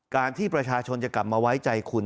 การที่ประชาชนจะกลับมาไว้ใจคุณ